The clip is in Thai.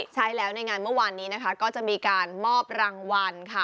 ใช่แล้วในงานเมื่อวานนี้นะคะก็จะมีการมอบรางวัลค่ะ